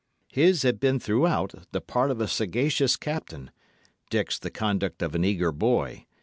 His had been throughout the part of a sagacious captain; Dick's the conduct of an eager boy.